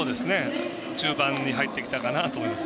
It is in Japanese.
中盤に入ってきたかなと思います。